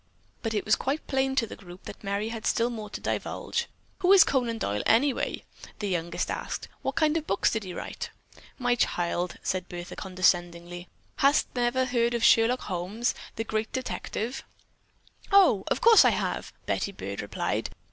But, it was quite plain to the group that Merry had still more to divulge. "Who is Conan Doyle, anyway?" their youngest asked. "What kind of books did he write?" "My child," Bertha said condescendingly, "hast never heard of Sherlock Holmes, the great detective?" "O, of course, I have," Betty Byrd replied.